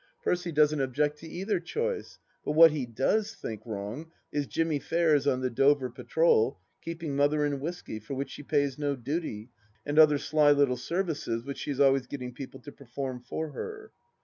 Percy doesn't object to either choice ; but what he does think wrong is Jimmy Fairs, on the Dover Patrol, keeping Mother in whisky, for which she pays no duty, and other sly little services which she is always getting people to perform for her.